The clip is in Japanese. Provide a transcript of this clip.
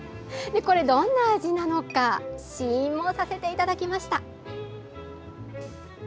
どんな味なのか試飲もさせていただきました。